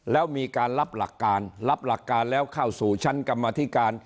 แล้วมีการรับหลักการรับหลักการแล้วเข้าสู่ชั้นกรรมธิการ